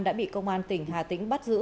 đã bị công an tỉnh hà tĩnh bắt giữ